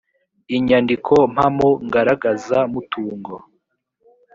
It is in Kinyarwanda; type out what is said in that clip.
inyandiko mpamo ngaragaza mutungo